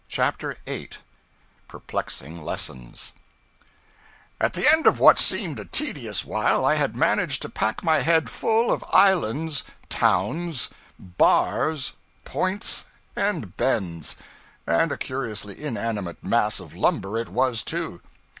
CHAPTER 8 Perplexing Lessons At the end of what seemed a tedious while, I had managed to pack my head full of islands, towns, bars, 'points,' and bends; and a curiously inanimate mass of lumber it was, too.